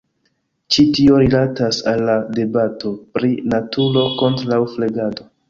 Ĉi tio rilatas al la debato pri naturo kontraŭ flegado.